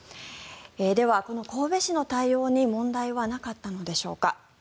では、この神戸市の対応に問題はなかったのでしょうか。